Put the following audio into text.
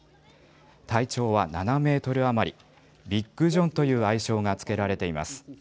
体長は７メートル余り、ビッグ・ジョンという愛称が付けられています。